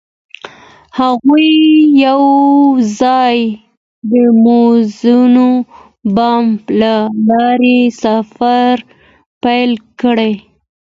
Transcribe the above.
هغوی یوځای د موزون بام له لارې سفر پیل کړ.